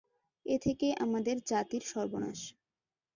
এ থেকেই আমাদের জাতির সর্বনাশ।